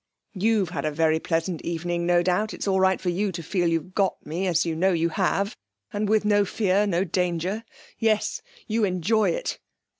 You've had a very pleasant evening, no doubt; it's all right for you to feel you've got me, as you know you have and with no fear, no danger. Yes, you enjoy it!'